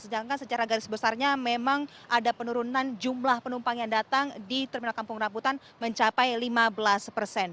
sedangkan secara garis besarnya memang ada penurunan jumlah penumpang yang datang di terminal kampung rambutan mencapai lima belas persen